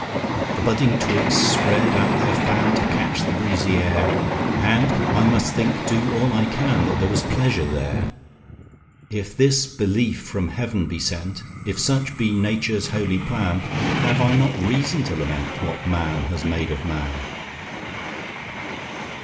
The budding twigs spread out their fan, To catch the breezy air; And I must think, do all I can, That there was pleasure there. If this belief from heaven be sent, If such be Nature's holy plan, Have I not reason to lament What man has made of man?